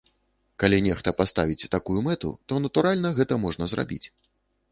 Калі нехта паставіць такую мэту, то, натуральна, гэта можна зрабіць.